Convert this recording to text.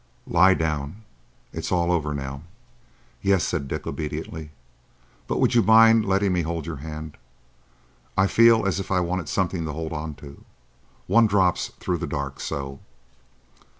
"Lie down. It's all over now." "Yes," said Dick, obediently. "But would you mind letting me hold your hand? I feel as if I wanted something to hold on to. One drops through the dark so."